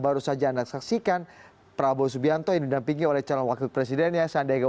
baru saja anda saksikan prabowo subianto yang didampingi oleh calon wakil presidennya sandiaga uno